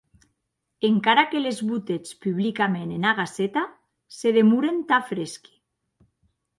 Encara que les botetz publicament ena Gaceta, se demoren tan fresqui.